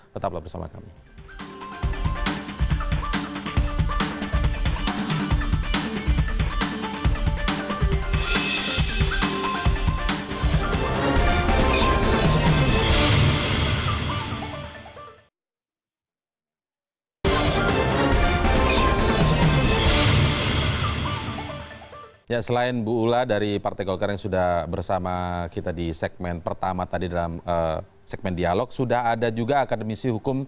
tetaplah bersama kami